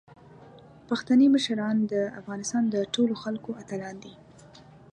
پښتني مشران د افغانستان د ټولو خلکو اتلان دي.